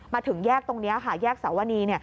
มาถึงแยกตรงนี้ค่ะแยกสวนี